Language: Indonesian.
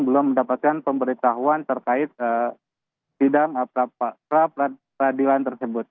belum mendapatkan pemberitahuan terkait sidang pra peradilan tersebut